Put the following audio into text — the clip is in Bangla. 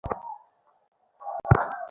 গরম কাপড় নেই তোমার?